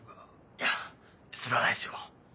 いやそれはないですよ